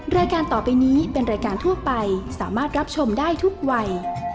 รายการต่อไปนี้เป็นรายการทั่วไปสามารถรับชมได้ทุกวัย